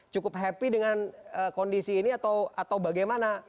cukup happy dengan kondisi ini atau bagaimana